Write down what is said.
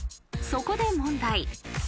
［そこで問題］